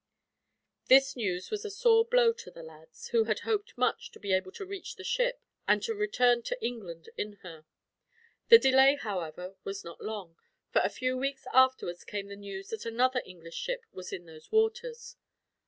This news was a sore blow to the lads, who had hoped much to be able to reach the ship, and to return to England in her. The delay, however, was not long, for a few weeks afterwards came the news that another English ship was in those waters.